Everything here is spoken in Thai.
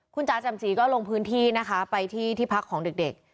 คุณจ๋าแจ่มสีก็ลงพื้นที่นะคะไปที่ที่พักของเด็ก